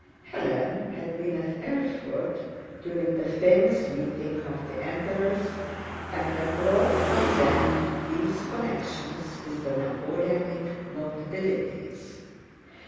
Hélène had been at Erfurt during the famous meeting of the Emperors and had brought from there these connections with the Napoleonic notabilities.